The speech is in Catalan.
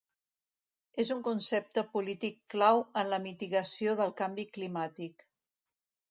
És un concepte polític clau en la mitigació del canvi climàtic.